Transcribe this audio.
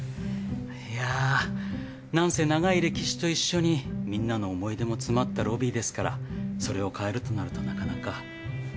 いやぁなんせ長い歴史と一緒にみんなの思い出も詰まったロビーですからそれを変えるとなるとなかなか。